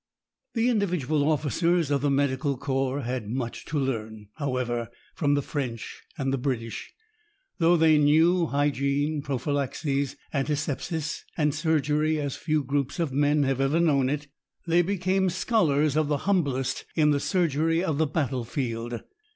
The individual officers of the Medical Corps had much to learn, however, from the French and the British. Though they knew hygiene, prophylaxis, antisepsis, and surgery as few groups of men have ever known it, they became scholars of the humblest in the surgery of the battle field.